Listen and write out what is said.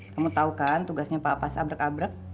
kamu tahu kan tugasnya papa sabrek abrek